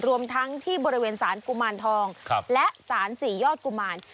รวมทั้งที่บริเวณสารกุมารทองและสารสี่ยอดกุมาร